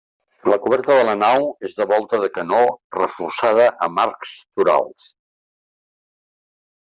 La coberta de la nau és de volta de canó reforçada amb arcs torals.